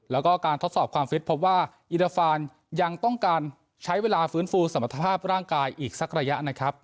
แล้วก็การทดสอบความฟิตพบว่าอิราฟานยังต้องการใช้เวลาฟื้นฟูสมรรถภาพร่างกายอีกสักระยะนะครับ